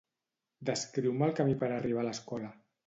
Descriu-me el camí per arribar a l'escola.